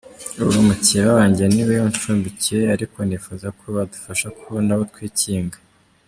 Ubu mukeba wanjye niwe unshumbikiye ariko nifuza ko badufasha kubona aho twikinga”.